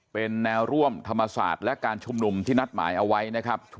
เป็นแนวร่วมธรรมศาสตร์และการชุมนุมที่นัดหมายเอาไว้นะครับ